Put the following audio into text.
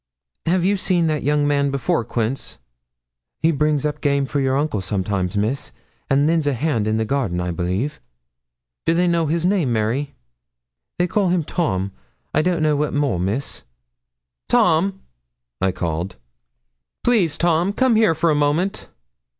'Have you seen that young man before, Quince?' 'He brings up game for your uncle, sometimes, Miss, and lends a hand in the garden, I believe.' 'Do you know his name, Mary?' 'They call him Tom, I don't know what more, Miss.' 'Tom,' I called; 'please, Tom, come here for a moment.'